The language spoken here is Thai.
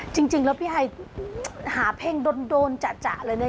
จริงแล้วพี่ไฮหาเพลงโดนจะเลยเนี่ย